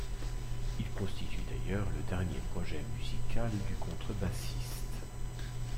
Il constitue d'ailleurs le dernier projet musical du contrebassiste.